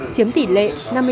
chiếm tỷ lệ năm mươi sáu sáu